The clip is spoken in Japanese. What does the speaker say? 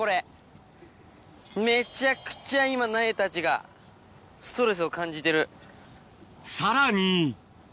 めちゃくちゃ今苗たちがストレスを感じてる。